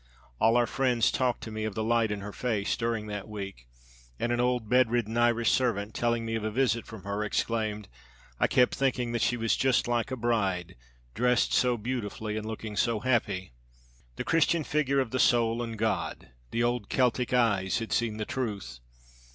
All our friends talked to me of the light in her face during that week, and an old bedridden Irish servant, telling me of a visit from her, exclaimed, 'I kept thinking that she was just like a bride, dressed so beautifully and looking so happy.' The Christian figure of the soul and God! The old Celtic eyes had seen the truth.